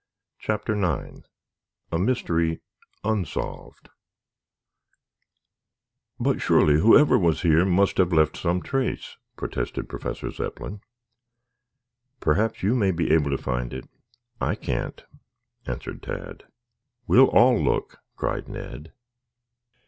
CHAPTER IX A MYSTERY UNSOLVED "But surely whoever was here must have left some trace," protested Professor Zepplin. "Perhaps you may be able to find it. I can't," answered Tad. "We'll all look," cried Ned.